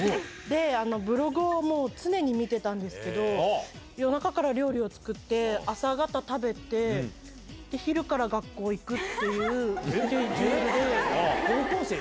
ブログを常に見てたんですけど、夜中から料理を作って、朝方食べて、昼から学校へ行くっていう、スケジュールで。